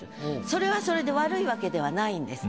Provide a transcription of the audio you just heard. それはそれで悪いわけではないんです。